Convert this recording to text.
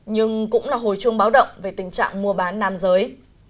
nhưng cũng là hồi chuông báo động về tình trạng mua bán nam giới